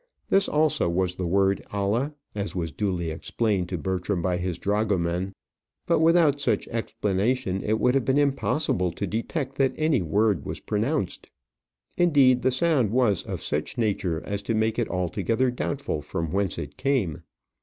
This also was the word Allah, as was duly explained to Bertram by his dragoman; but without such explanation it would have been impossible to detect that any word was pronounced. Indeed, the sound was of such nature as to make it altogether doubtful from whence it came.